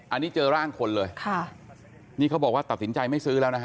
อันนี้เจอร่างคนเลยค่ะนี่เขาบอกว่าตัดสินใจไม่ซื้อแล้วนะฮะ